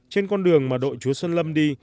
trên con đường mà đội chúa xuân lâm đi